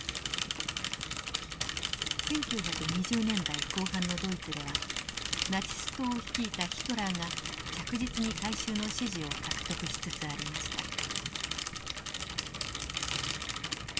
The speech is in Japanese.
１９２０年代後半のドイツではナチス党を率いたヒトラーが着実に大衆の支持を獲得しつつありました。